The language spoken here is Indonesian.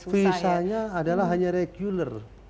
visanya adalah hanya regular